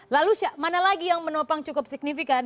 lalu mana lagi yang menopang cukup signifikan